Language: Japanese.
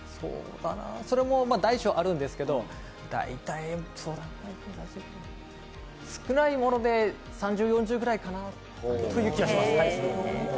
それも大小あるんですけど、大体少ないもので３０、４０ぐらいかなという気がします。